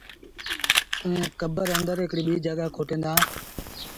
ائيٚݩ ڪبر آݩدر هڪڙيٚ ٻيٚ جآڳآ کوٽين دآ